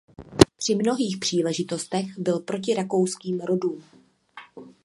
Při mnohých příležitostech byl proti rakouským rodům.